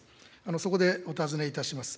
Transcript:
そこでお尋ねいたします。